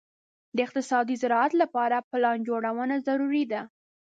د اقتصادي زراعت لپاره پلان جوړونه ضروري ده.